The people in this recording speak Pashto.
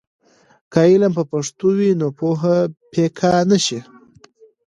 که علم په پښتو وي، نو پوهه پیکه نه شي.